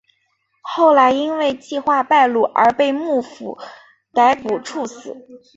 后来因为计划败露而被幕府逮捕处死。